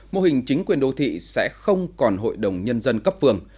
mô hình chính quyền đô thị sẽ không còn hội đồng nhân dân cấp phường